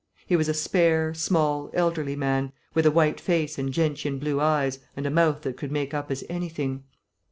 He was a spare, small, elderly man, with a white face and gentian blue eyes and a mouth that could make up as anything.